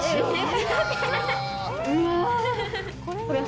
うわ。